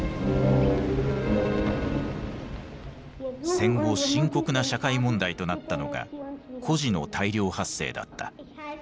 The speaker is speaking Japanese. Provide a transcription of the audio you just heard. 戦後深刻な社会問題となったのが孤児の大量発生だった。